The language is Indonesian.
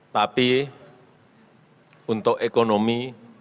tapi untuk ekonomi